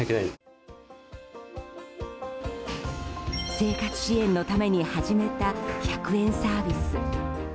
生活支援のために始めた１００円サービス。